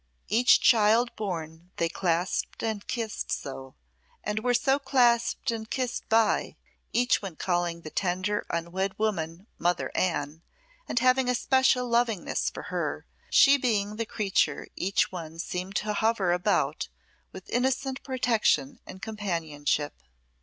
Each child born they clasped and kissed so, and were so clasped and kissed by; each one calling the tender unwed woman "Mother Anne," and having a special lovingness for her, she being the creature each one seemed to hover about with innocent protection and companionship.